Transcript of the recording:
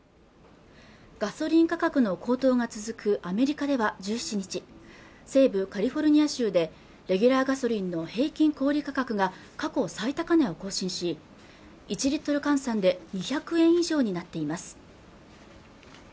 ガソリン価格の高騰が続くアメリカでは１７日西部カリフォルニア州でレギュラーガソリンの平均小売価格が過去最高値を更新し１リットル換算で２００円以上になっています